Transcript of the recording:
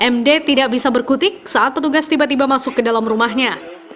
md tidak bisa berkutik saat petugas tiba tiba masuk ke dalam rumahnya